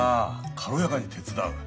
軽やかに手伝う。